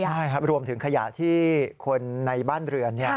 ใช่ครับรวมถึงขยะที่คนในบ้านเรือน